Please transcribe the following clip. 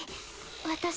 私